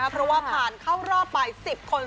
เพราะว่าผ่านเข้ารอบไป๑๐คน